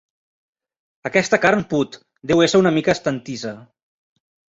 Aquesta carn put: deu ésser una mica estantissa.